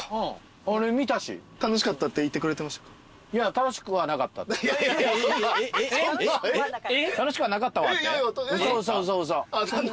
楽しくはなかったわって？